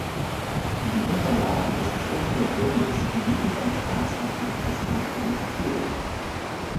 Die Unterlagen des Zürcher Bundes liegen beim Staatsarchiv des Kantons Zürich.